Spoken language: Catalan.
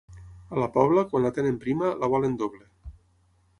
A la Pobla, quan la tenen prima, la volen doble.